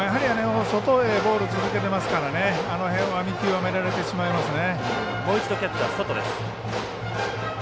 外へボールを続けているとあのボールは見極められてしまいますね。